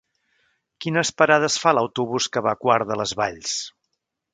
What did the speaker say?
Quines parades fa l'autobús que va a Quart de les Valls?